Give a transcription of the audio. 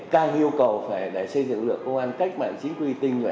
càng yêu cầu phải xây dựng được công an cách mạng chính quy tinh